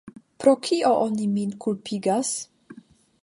Pro kio oni min kulpigas?